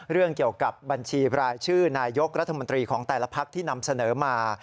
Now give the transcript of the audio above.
เรื่องเกี่ยวกับบัญชีบรายชื่อนายกรัฐมนตรีของแต่ละพักที่นำเสนอมา